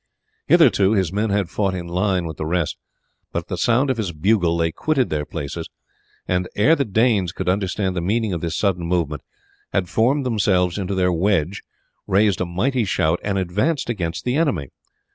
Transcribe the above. Hitherto his men had fought in line with the rest; but at the sound of his bugle they quitted their places, and, ere the Danes could understand the meaning of this sudden movement, had formed themselves into their wedge, raised a mighty shout, and advanced against the enemy.